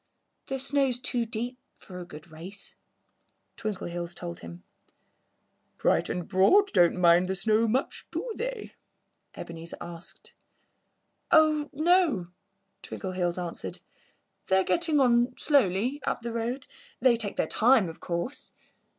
"The snow's too deep for a good race," Twinkleheels told him. "Bright and Broad don't mind the snow much, do they?" Ebenezer asked. "Oh, no!" Twinkleheels answered. "They're getting on slowly, up the road. They take their time, of course."